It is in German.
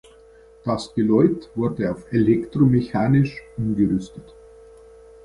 Das Geläut wurde auf "elektromechanisch" umgerüstet.